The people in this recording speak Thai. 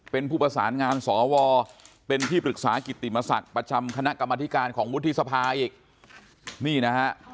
เป็นผู้ประสานงานสวเป็นที่ปรึกษากิติมศักดิ์ประจำคณะกรรมธิการของวุฒิสภาอีกนี่นะฮะ